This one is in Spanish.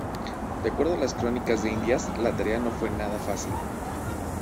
De acuerdo a las crónicas de Indias la tarea no fue nada fácil.